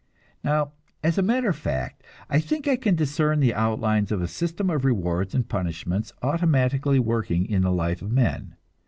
Now, as a matter of fact, I think I can discern the outlines of a system of rewards and punishments automatically working in the life of men.